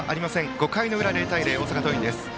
５回の裏、０対０大阪桐蔭です。